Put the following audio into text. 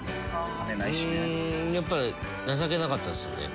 うーんやっぱ情けなかったですよね